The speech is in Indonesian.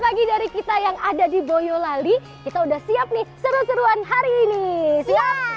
lagi dari kita yang ada di boyolali kita udah siap nih seru seruan hari ini siap